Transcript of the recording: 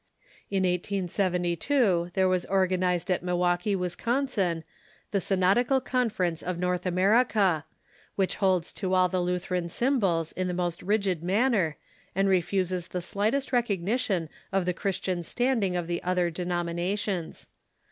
In 1872 there was organized at Mil waukee, Wisconsin, the Synodical Conference of North Amer ica, which holds to all the Lutheran symbols in the most rigid manner, and refuses the slightest recognition of the Christian standing of the other denominations.